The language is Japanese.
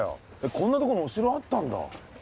こんな所にお城あったんだ。